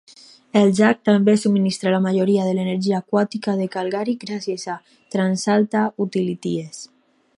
El llac també subministra la majoria de l'energia aquàtica de Calgary gràcies a TransAlta Utilities.